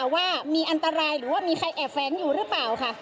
ว่ามีอันตรายหรือว่ามีใครแอบแฝงอยู่หรือเปล่าค่ะ